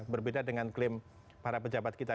berbeda dengan klaim para pejabat kita